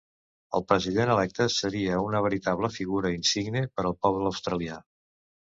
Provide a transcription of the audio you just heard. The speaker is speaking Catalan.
El president electe seria una veritable figura insigne per al poble australià.